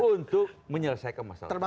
untuk menyelesaikan masalah tersebut